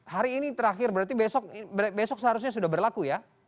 hari ini terakhir berarti besok seharusnya sudah berlaku ya